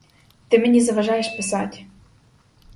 Ти мені заважаєш писать.